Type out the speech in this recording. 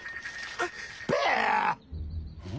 うん！